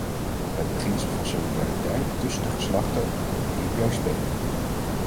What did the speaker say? Het beginsel van solidariteit tussen de geslachten moet hier juist spelen.